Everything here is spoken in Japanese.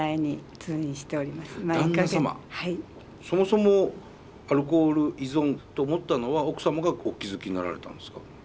そもそもアルコール依存と思ったのは奥様がお気付きになられたんですか？